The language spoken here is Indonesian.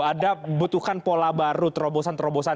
ada butuhkan pola baru terobosan terobosan